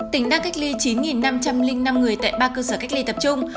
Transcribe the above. tỉnh đang cách ly chín năm trăm linh năm người tại ba cơ sở cách ly tập trung